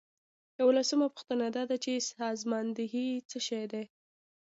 یوولسمه پوښتنه دا ده چې سازماندهي څه شی ده.